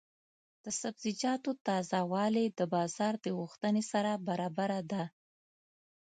د سبزیجاتو تازه والي د بازار د غوښتنې سره برابره ده.